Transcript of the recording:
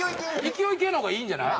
勢い系の方がいいんじゃない？